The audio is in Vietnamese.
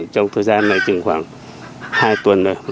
trong thời gian này chừng khoảng hai tuần